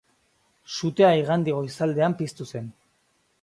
Sutea igande goizaldean piztu zen.